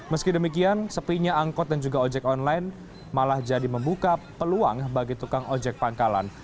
meski demikian sepinya angkot dan juga ojek online malah jadi membuka peluang bagi tukang ojek pangkalan